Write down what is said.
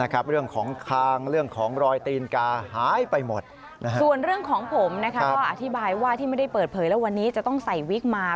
เขาอธิบายว่าที่ไม่ได้เปิดเผยแล้ววันนี้จะต้องใส่วิกมา